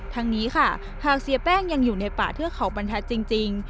ทั้งนี้ค่ะหากเสียแป้งยังอยู่ในป่าเทือกเขาบรรทัศน์จริง